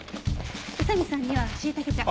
宇佐見さんにはしいたけ茶。